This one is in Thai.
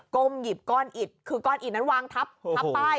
้มหยิบก้อนอิดคือก้อนอิดนั้นวางทับป้าย